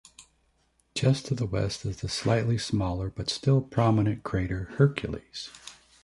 Just to the west is the slightly smaller but still prominent crater Hercules.